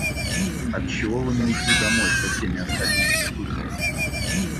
Отчего Вы не ушли домой со всеми остальными сотрудниками?